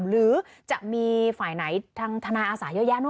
หรือจะมีฝ่ายไหนทางทนายอาสาเยอะแยะเน